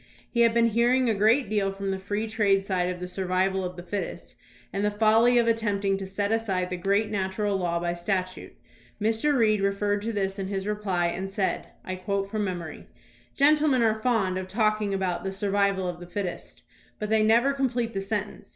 We had been hearing a great deal from the free trade side of the "survival of the fittest" and the folly of attempting to set aside the great natural law by statute. Mr. Reed referred to this in his reply and said (I quote from memory) : Gentlemen are fond of talking about "the survival of the fittest," but they never complete the sentence.